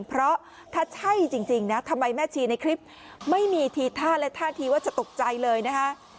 เพราะถ้าใช่จริงนะทำไมแม่ชีในคลิปไม่มีทีท่าและท่าทีว่าจะตกใจเลยนะคะ